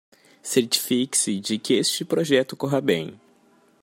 Certifique-se de que este projeto corra bem